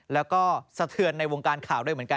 แล้วก็สะเทือนในวงการข่าวด้วยเหมือนกัน